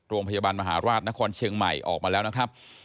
โรงพยาบาลมหาราชนครเชียงใหม่ออกมาแล้วนะครับ